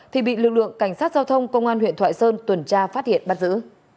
thì bị lực lượng cảnh sát giao thông công an huyện thoại sơn tuần tra phát hiện bắt giữ